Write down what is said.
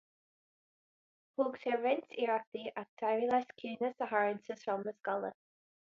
Thóg sé roinnt iarrachtaí ach d'éirigh leis ciúnas a tharraingt sa seomra scoile.